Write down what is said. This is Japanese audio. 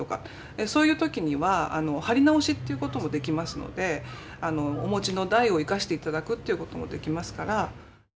そういう時には貼り直しということもできますのでお持ちの台を生かしていただくということもできますから。